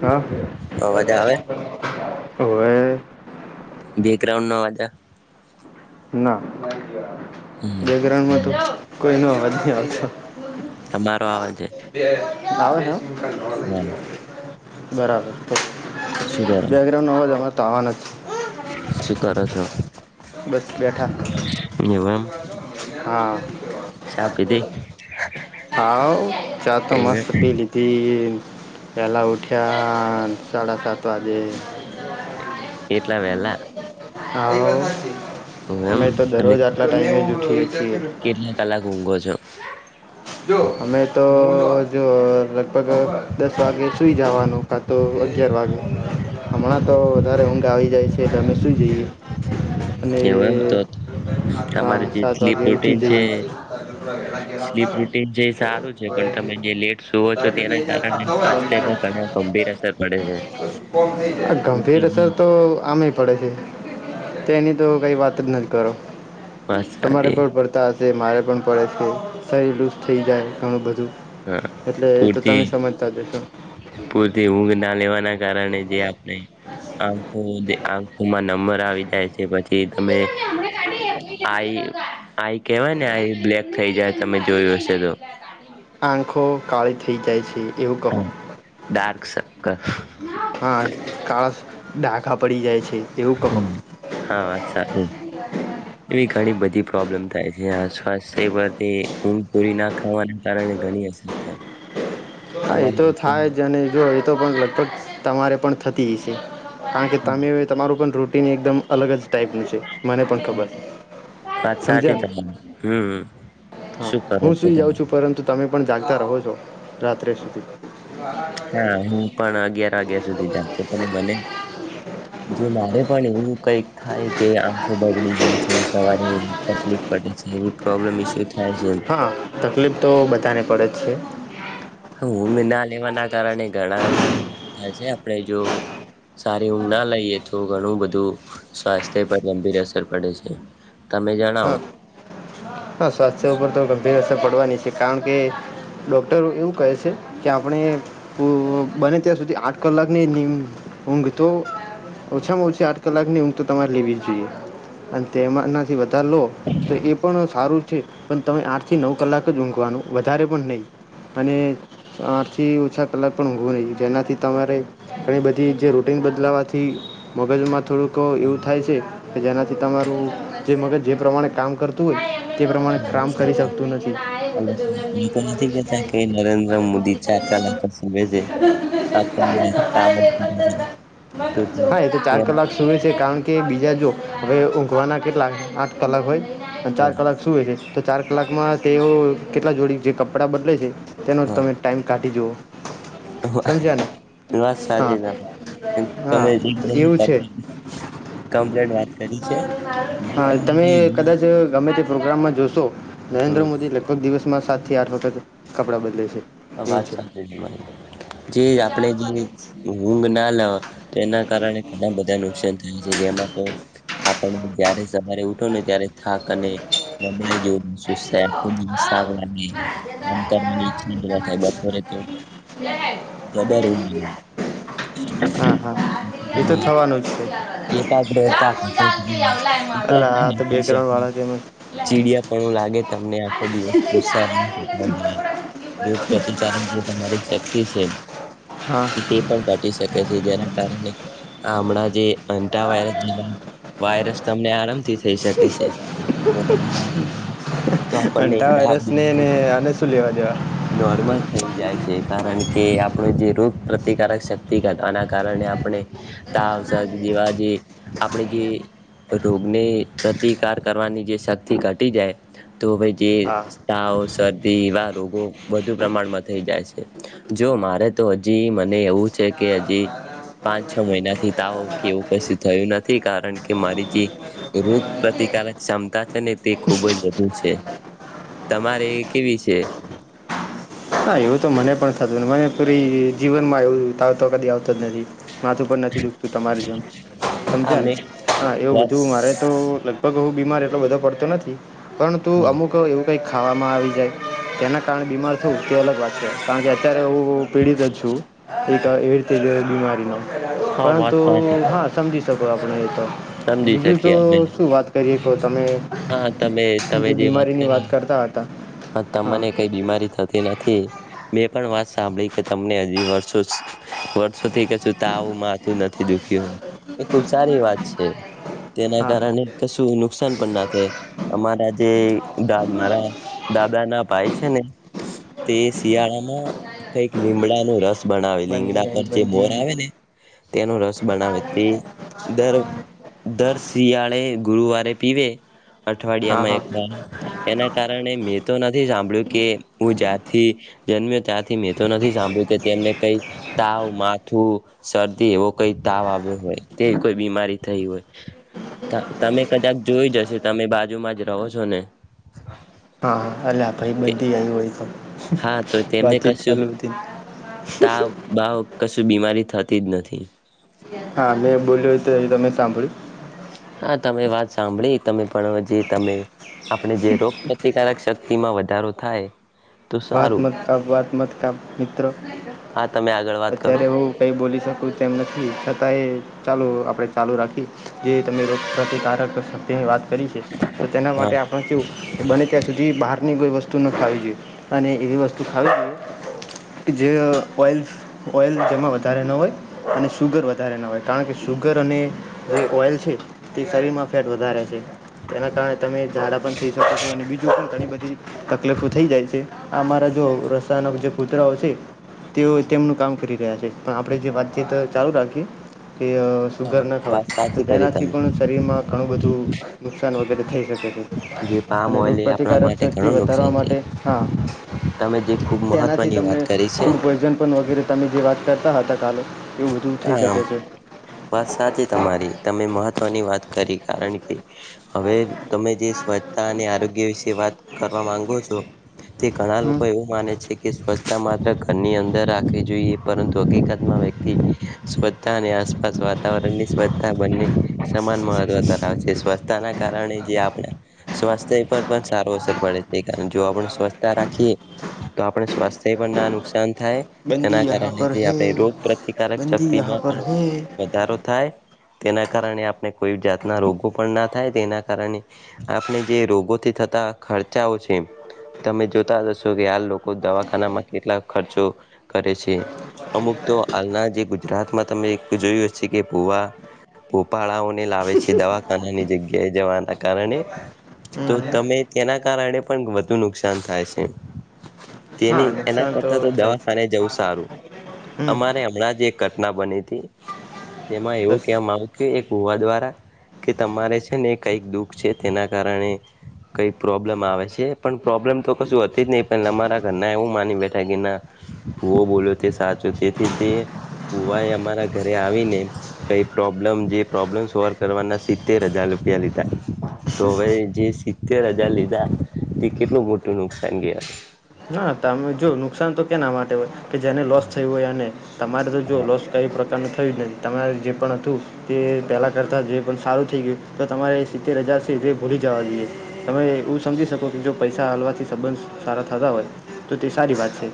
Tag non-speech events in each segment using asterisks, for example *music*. હા અવાજ આવે હોવે *unintelligible* બેકરાઉન્ડ ન વ *unintelligible* ના હમ બેક્રઉન્ડમાં તો કોઈ નો અવાજ નહી આવતો તમારો આવે છે આવે છે. બરાબર તો અછી તા *unintelligible* નજમા તવા નથી શું કરો છો બસ બેઠા એવું એમ હા ચા પીધી હાવ ચાતો એવે મસ્ત પી લી તથી પલા ઉઠ્યા સાડા સાત વાજે એટલા વહેલા હા એવું એમ અમે તો તમે દરરોજ આટલા ટાઈમે જ ઉઠીએ છીએ કેટલા કલાક ઊંઘો છો અમે તો જો લગભગ દસ વાગે સુઈ જવાનું કા તો અગિયાર વાગે હમણાં તો વધારે ઊંડા આવી જાય છે એટલે અમે સૂઈ જઈએ અને એવ એમ તો હા અમારું જે સાત સ્લીપ વાગે ઉઠી રૂટીન છે જઈએ સ્લીપ રૂટીન જે સારું છે પણ તમે જે લેટ જુઓ છો તેના કારણે સ્્ય ઘ ગંભીર અસર પડે છે ગંભીર પૂરતી અસર તો આમ પડે છે તેની તો કઈ વાત જ નથી કરો ઊંઘ તમારે પણ પડતા તે મારે પણ પડે છે કે શરીર લૂઝ થઈ જાય ઘણું બધું હા એટલે એ તો પૂરતી તમે સમજતા જશો પૂરતી ઊંઘ ના લેવાના કારણે જે આપણે આંખો આંખોમાં નંબર આવી જાય છે પછી તમે આઈ આઈ કેવાય ને આઈ બ્લેક થઈ જાય તમે જોયું હશે તો આંખો કાળી થઈ જાય છે એવું કહો હા ડાર્ક સર્કલ હા કારળશ ડાખા પડી જાય છે એવું કહો હમ હા વાત સાચી એવી ઘણી બધી પ્રોબ્લેમ થાય છે સ્વાસ્થ્ય પરથી ઊંઘ પૂરી ના ખાવાના કારણે ઘણી અસર થાય હા એ તો થાય તમારી જ અને જો એ તો પણ લગભગ તમારે પણ થતી જ છે કારણ કે તમે તમારું પણ રૂટિન એકદમ અલગ જ ટાઈપનું છે મને પણ ખબર છે વાત સાચી સમજ્યા ને તમારી હમ હા શું કરો હું છો સુધ તમે જાઉં છું પરંતુ તમે પણ જાગતા રહો છો રાત્રે સુધી આઠ વાગ્યે હા હું પણ અગિયાર વાગ્યા સુધી જાગતો પણ મને જે મારે પણ એવું કઈક થાય કે આંખો બગડી જાય છે સવારે તકલીફ પડે છે એવી પ્રોબ્લેમ ઇસ્યુ થાય છે એમ હા તકલીફ તો બધાને પડે જ છે ઊઘ ના લેવાના કારણે ઘણાબ થ છે આપણે જો સારી ઊંઘ ના લઈએ તો ઘણું બધું સ્વાસ્થ્ય પર ગંભીર અસર પડે છે તમે જણાવ હા હા સ્વાસ્થ્ય ઉપર તો ગંભીર અસર પડવાની છે કારણ કે ડોક્ટરો એવું કહે છે કે આપણે બને ત્યાં સુધી આઠ કલાકની ઊંઘ તો ઓછામાં ઓછી આઠ કલાક હું તો તમારે લેવી જ જોઈએ અને તે એમાં નાથી લો તો એ પણ સારું છે પણ તમે આઠ થી નવ કલાક જ ઊંઘવાનું વધારે પણ નહીં અને આઠ થી ઓછા કલાક પણ ઊઘવું નહી જેનાથી તમારે ઘણી બધી જે રૂટિન બદલાવાથી મગજમાં થોડુંક એવું થાય છે કે જેનાથી તમારું જે મગજ જે પ્રમાણે કામ કર તે પ્રમાણે કામ કરી શકતું નથી લોકો નથી કેતા કે નરેન્દ્ર મોદી ચાર કલાક સુવે છે આખો દિવસ કામ જ કરે છે તો *unintelligible* હા એ તો ચાર તેમ કલાક સુૂય છે કારણ કે બીજા જો હવે ઊંઘવાના કેટલા આઠ કલાક હોય અને ચાર હા કલાક શું છે તો ચાર કલાકમાં તેઓ કેટલા જોડી જે કપડાં બદલે છે તેનો તમે ટાઈમ કાઢી જુઓ સમજ્યા ને વાત હા સાચી ત હા તમે તો એવું છે કમપ્લેન્ટ વા હા તમે કદાચ ગમે તે પ્રોગ્રામમાં જોશો નરેન્દ્ર હમ મોદી લ કો દિવસમાં સાતથી આઠ વખત કપડાં બદલે છે એવું વાત છે સાચી જે આપણે જાણું જે કોલેજ ઊંઘ ના લેવા એના કારણે ઘણા બધા નુકસાન થાય છે, જેમાં તો આપણ જારે સવારે ગમે ત્યારે થાક અને નબળાઈ જેવું *inaudible* એ સસ્તું થાય, કીટુ આખો દિવસ મારા થાક લાગે. આજે તાર કામ હારે હારે કરવાની આવવાની ઈચ્છા જ થાય ગીતામાંથી ઘર બપોરે. તો, બતાવવાની. *unintelligible* અને જબર એની ઉંધ આવે. પીડા. હા હા પછી, એ તો તમે થવાનું જ છે *inaudible* એકાગ્રતા રહેતા. અલા આ તો નથી, બેકગ્રાઉન્ડ શકું વાળા તેમ આ ચીડિયાપણું લાગે, તમને *inaudible* બધી વસ્તુ નાની લઈને દિવસ હારે હારે *unintelligible* એટલે ખબર પડે કે જીવ બગડે ભર બપોરેમાં પ્રતિકારક, જે આવવાનું. તમારી શક્તિ છે. હા તે પણ કાધી શકે છે, જેના કારણે હમણાં જે *unintelligible* હંનતા વાયરસ જે વાયરસ. તમને આરમથી.. વાયરસ તો આપણને હંનતા તાવ વાયરસને બીમારી ને તો એને શું લેવા દેવા? નોર્મલ થઈ જાય ભગવાનને છે, કારણ મારી કે, નાખે. આપણો જે રોગ પ્રતિકારક શક્તિઆના કારણે આપણે તને તાવ ઘર ના *unintelligible* જડે. દવા જે આપણે જે રોગને પ્રતિકાર કરવાની, જે શક્તિ ઘટી જાય તો ભાઈજે હા એટલે તાવ, શરદી એવા રોગો વધુ પ્રમાણમાં થઈ જાય છે, જો મારે તો હજી મને એવું છે, કે હજી પાંચ-છ મહિનાથી, તાવો કેવું કશી થયું નથી. કારણ કે, મારી જે રોગ પ્રતિકારક ક્ષમતા છે, ને તે ખુબજ વધુ છે. તમારે કેવી છે? હા, એવું તો મને પણ થતું, મને પૂરી જીવનમાં એવું તાવ તો કદી આવતો જ નથી. માથુંપણ નથી, દુખતું. તમારી જેમ આ સમજ્યા ને મેં હા એવું બધું મારે બસ તો *unintelligible* તોવુ બીમાર એટલો બધો પડતો નથી, પરંતુ હમ. અમુક એવું કંઈક ખાવામાં આવી જાય, તેના કારણે બીમાર થવું, તે અલગ વાત છે. કારણ કે અત્યારે એવું પીડિત જ છું, એક એવી રીતે જ બીમારીનો હા વાત પરંતુ, સાચી *inaudible* હા સમજી શકો, આપણેએ તો સમજી બીજું તો શકીએ અમે શું વાત કરીએ. તો તમે હા તમે જે બીમારીની વાત કરતા હતા. હ, હા તમને કઈ બીમારી થતી નથી. મેં પણ વાત સાંભળી કે, તમને હજી વર્ષો વર્ષોથી કે સુું તમને આવું માતું નથી દું એ ખુબ સારી વાત છે, તેના હા કારણે કશું નુકસાન પણના થાય. અમારા જે દાદ મારા દાદાના ભાઈ છે, ને તે શિયાળામાં કઈક લીમડાનો રસ બનાવે બંધી લીંગડા આઈ પર, જે મોર બંધી આવેને તેનો રસ બનાવે તે દર દર શિયાળે ગુરુવારે પીવે, હા અઠવાડિયામાં હા એક વાર એના કારણે કારણે, મેં તો નથી સાંભળ્યું કે, હું જારથી જન્મ્યો ત્યાંથી મેં તો નથી, સાંભળ્યું કે તેમને કઈ તાવ, માથું, શરદી એવો કઈ તાવ આવ્યો હોય, તે કોઈ બીમારી થઈ હોય તમે કદાક જોઈ જશે, તમે બાજુમાં જ રહો છો ને હા, અલા ભાઈ બધી આવ્યો હોય, તો હા તો તેમને વાતચીત કશું ચાલુ હતી તાવ, બાવ કશું બીમારી થતી જ નથી. હા, મેં બોલ્યો, તો તમે સાંભળ્યું. હા, તમે વાત સાંભળી, તમે પણ જે તમે આપણે જે રો પ્રતિકારક શક્તિમાં વધારો થાય. તો વાત સારું મત કપ વાત મત કપ મિત્ર. હા તમે આગળ વાત કરો અત્યારે, હું કંઈ બોલી શકું, તેમ નથી. છતાં એ ચાલુ, આપણે ચાલુ રાખીએ, જે તમે રોગ પ્રતિકારત શ.. તે વાત કરી છે. તો તેના હા માટે આપણે કેવું બને ત્યાં, સુધી બહારની, કોઈ વસ્તુ ન ખાવવી જોઈએ. અને એવી વસ્તુ ખાવી જોઈએ, જે ઓઇલ.. ઓઇલ, જેમાં વધારે ન હોય અને સુુગર વધારે ન હોય, કારણ કે સુુગર અને.. જે ઓઇલ છે, તે શરીર માં ફેટ વધારે છે. તેના કારણે, તમે ઝાડા પણ થઈ શકો છો અને બીજું પણ, ઘણી બધી તકલીફો થઈ જાય છે. અમારા જો રસ્તા ના જે કૂતરાઓ છે. તેઓ તેમનું કામ કરી રહ્યા છે પણ આપણે જે વાતચીત ચાલુ રાખીએ કે અ સુુગર હા ન ખવાય વાત તો સાચી કરી તેનાથી તમે પણ શરીરમાં ઘણું બધું નુકસાન વગેરે થઈ જશે બધું જે પામ અને ઓઇલ એ આપણા રોગપ્રતિકારક માટે શક્તિ ઘણું વધારવા નુકસાન છે માટે હા તમે જે ખૂબ તેનાથી મહત્વની તમને વાત કરી છે ફૂડ પોઈઝન પણ વગેરે તમે જે વાત કરતા હતા કાલે એવું બધુ થઈ આમ શકે છે. વાત સાચ તમારી તમે મહત્વની વાત કરી કારણ કે હવે તમે જે સ્વચ્છતા અને આરોગ્ય વિશે વાત કરવા માંગો છો. તે ઘણા હમ લોકો એવું માને છે કે સ્વચ્છતા માત્ર ઘરની અંદર રાખવી જોઈએ પરંતુ હકીકતમાં વ્યક્તિ સ્વચ્છતા અને આસપાસ વાતાવરણ ની સ્વચ્છતા બંને સમાન મહત્વ ધરાવે છે. સ્વચ્છતાના કારણે જે આપણે સ્વાસ્થ્ય પર પણ સારો અસર પડે છે. કારણ જો આપણે સ્વચ્થતા રાખીએ તો આપણે સ્વાસ્થ્ય પણ ના નુકસાન થાય બંદી તેના યહાં કારણે પર જે હે આપણે રોગ પ્રતિકારક બંદી યહાં તેમાં પર પણ હે વધારો થાય. તેના કારણે આપણે કોઈ જાતના રોગો પણ ના થાય તેના કારણે આપણે જે રોગોથી થતા ખર્ચાઓ છે. તમે જોતા જ હશો કે આ લોકો દવાખાનામાં કેટલા ખર્ચો કરે છે. અમુક તો હાલના જે ગુજ ગુજરાતમાં તમે એક જોયું હછે કે ભૂવા ભોપાળાઓને લાવે છે. દવાખાનાની જગ કે જવાના કારણે તો હમ તમે તેના કારણે પણ વધુ નુકસાન થાય છે. હા તેની એના નુકસાન કરતા તો થાય છે દવાખાને જવું સારું હમ અમારે હમણાં જ એક ઘટના બની તી તેમાં એવું બસ કેમ આવ કે એક હોવા દ્વારા કે તમારે છે ને કંઈક દુઃખ છે તેના કારણે કઈ પ્રોબ્લેમ આવે છે પણ પ્રોબ્લેમ તો કશું હતી જ નહી પણ અમારા ઘરના એવું માની બેઠા કે ના ભૂવો બોલ્યો તે સાચો તેથી તે ભૂવા એ અમારા ઘરે આવીને કઈ પ્રોબ્લેમ જે પ્રોબ્લેમ સોલ્વ કરવાના સિત્તેર હજાર રૂપિયા લીધા. તો હવે જે સિત્તેર હજાર લીધા તે કેટલું મોટું નુકસાન ગયા હશે. ના તમે જો નુકસાન તો કેના માટે હોય કે જેને લોસ હા થયું હોય અને તમારે તો જો હા લોસ કઈ પ્રકારનું થયું જ નહી તમારે જે પણ હતું. તે પહેલાં કરતા જે પણ સારું થઈ ગ્યું તો તમારે સિત્તેર હજાર છે એ ભૂલી જવા જોઈએ. તમે એવું સમજી શકો કે જો પૈસા હાલવાથી સંબંધ સારા થતા હોય તો તે સારી વાત છે.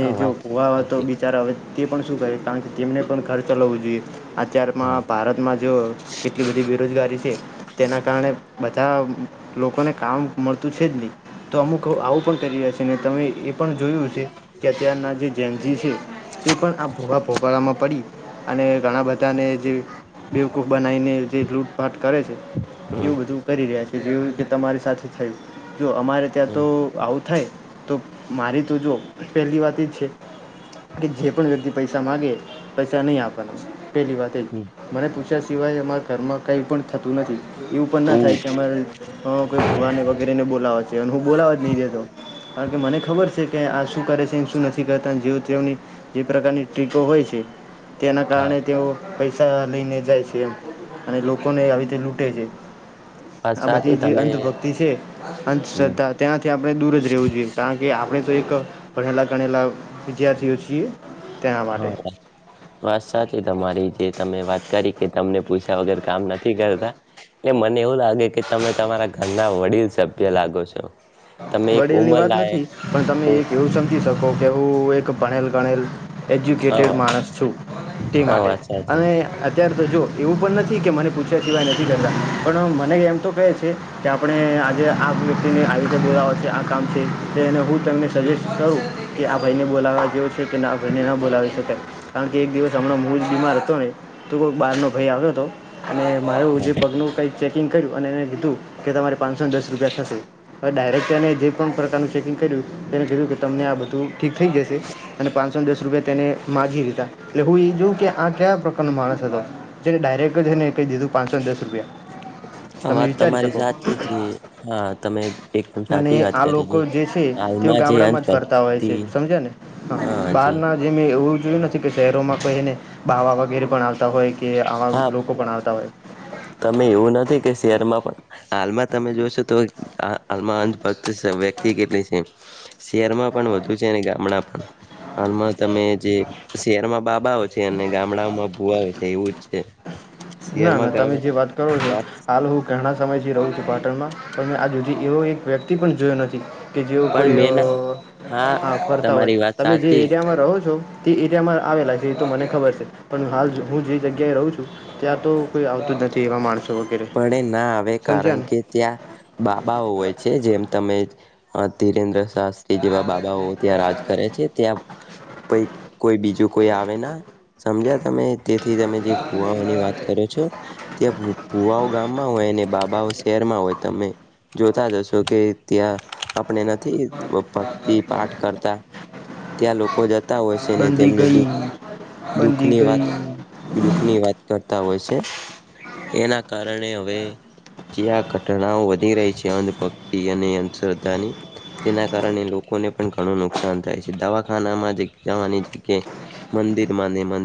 હા જો વાત ભૂવા હો તો સાચી બિચારા હવે તે પણ શું કરે? કારણ કે તેમને પણ ઘર ચલાવવું જોઈએ હા અત્યારમાં ભારતમાં જો કેટલી બધી બેરોજગારી છે? તેના કારણે બધા મ-મ લોકોને કામ મળતું છે જ નહી, તો અમુક આવું પણ કરી રહ્યા છે ને તમે એ પણ જોયું છે કે અત્યારના જે જેનજી છે. તે પણ આ ભોગા ભોગાળામાં પડી અને ઘણા બધાને જે બેવકૂફ બનાઇ ને જે લૂંટ પાટ કરે છે હમ એવું બધું કરી રહ્યા છે જેવી રીતે તમારી સાથે થયું. જો અમારે ત્યાં હમ તો આવું થાય તો મારી તો જો પહેલી વાત એ જ છે. કે જે પણ વ્યક્તિ પૈસા માંગે પૈસા નહી આપવાના પેલી વાત મને પૂછ્યા સિવાય અમારા ઘરમાં કંઈ પણ થતું નથી. એવું પણ ના થાય હમ કે અમારે હ, કોઈ ભૂવાને વગેરે ને બોલાવા છે અને હું બોલાવ જ નહીં દે દઉં કારણ કે મને ખબર છે કે આ શું કરે છે ન શું નથી કરતા જેઓ તેમની જે પ્રકારની ટ્રીકો હોય છે તેના હા કારણે તેઓ પૈસા લઈને જાય છે અને લોકોને આવી રીતે લૂંટે છે. વાત આ બધી સાચી જે તમે અંધભક્તિ છે. હમ અંધશ્ર્ધા ત્યાંથી આ આપણે દૂર જ રહેવું જોઈએ કારણ કે આપણે તો એક ભણેલા ગણેલા વિદ્યાર્થીઓ છીએ તેના માટે હા વાત સાથેચ તમારી જે તમે વાત કરી કે તમને પૂસા વગર કામ નથી કરતા એટ મને એવું લાગે કે તમે તમારા ઘરના વડીલ સભ્ય લાગો છો તમે એક વડીલ ની ઉમર વાત લાયક નથી પણ તમે એક એવું સમ સમજી શકો કે હું એક ભણેલ ગણેલ એજ્યુકેટેડ હા માણસ છું તે હા માટે વાત સાચી અને અત્યાર તો જો એવું પણ નથી કે મને પૂછયા સિવાય નથી જતા પણ મને એમ તો કહે છે કે આપણે આજે આ વ્યક્તિને આ જોયા હો છે આ કામ છેને હું તમને સજેસ્ટ કરું કે આ ભાઈને બોલાવવા જેવુ છે કે ના આપને ન બોલાવી શકાય કારણ કે એક દિવસ હમણાં મૂળ બીમાર હતો નહીં ત કોક બાર નો ભાઈ આવ્યો હતો અને મારું જે પગ નું કઈક ચેકિંગ કર્યું અને એને લીધું કે તમારે પાંચસોને દસ રૂપિયા થશે હવે ડાયરેક્ટ એને જે પણ પ્રકારનું ચેકિંગ કર્યું તેને કીધું કે તમને આ બધું ઠીક થઈ જશે અને પાંચસો ને દસ રૂપિયા તેને માગી દીધા એટલે હું એ જોઉ કે આ કયા પ્રકારનો માણસ હતો જેને ડાયરેક્ટ છે ને કઈ દીધું પાંચસોને દસ રૂપિયા તમે વિચારી શકો જે હા તમે એકદમ અને સાચી વાત આ કરી લોકો જે છે તેઓ હાલમાં જે ગામડામાં જ ફરતા હોય અંધભક્તિ છે સમજીયા ને હા બહાર જી ના જે મેં એવું જોયું નથી કે શહેરોમાં કોઈ એને બાાવા વગેરે પણ આવતા હોય કે કે આવા હા લોકો પણ આવતા હોય તમે એવું નથી કે શેરમાં પણ હાલમાં તમે જોશો તો હાલમાં વ્યક્તિ કેટલી છે શહેરમાં પણ વધુ છે અને ગામડા પણ હાલમાં તમે જે શહેરમાં બાબાઓ છે અને ગામડાઓમાં ભુવાઓ છે એવું જ છે ના શહેરમાં ના ગામ તમે જે વાત કરો છો વાત હાલ હ ઘણા સમયથી રહું છું પાટણમાં પણ મેં આ જુ એવો એક વ્યક્તિ પણ જોયો નથી કે જેવું પણ કોઈ મેં હા કરતા હોય તમારી વાત તમે જે સાચી એરિયામાં રહો છો તે એરિયામાં આવેલા છે એ તો મને ખબર છે પણ હાલ હું જે જગ્યાએ રહું છું ત્યાં તો કોઈ આવતું જ નથી એવા માણસો વગેરે પણ એ ના આવે સમજ્યા કારણ ને કે ત્યાં બાબાઓ હોય છે જેમ તમે ધીરેન્દ્ર શાસ્ ત્રી જેવા બાબાઓ ત્યાં રાજ કરે છે ત્યાં પઈક કોઈ બીજું કોઈ આવે ના સમજ્યા તમે તેથી તમે જે ભુવાઓની વાત કરો છો ત્યાં ભૂ ભૂઆ ઓ ગામમાં હોય ને બાબાઓ શહેરમાં હોય તમે જોતા જશો કે ત્યાં આપણે નથી ભક્તિ પાઠ કરતા ત્યાં લોકો જતા હોય છે ને બંદી તેમને ગઈ દુખ બંદી દુખની વાત ગઈ દુઃખ ની વાત કરતા હોય છે એના કારણે હવે જે આ ઘટનાઓ વધી રહી છે અંધભક્તિ અને અંધશ્ર્ધાની તેના કારણે લોકોને પણ ઘણું નુકસાન થાય છે દવાખાનામાં જગ્યા ઓની જગ્યા એ ન મંદિર માને મંદિર